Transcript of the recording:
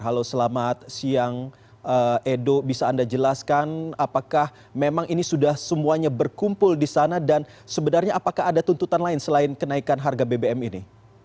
halo selamat siang edo bisa anda jelaskan apakah memang ini sudah semuanya berkumpul di sana dan sebenarnya apakah ada tuntutan lain selain kenaikan harga bbm ini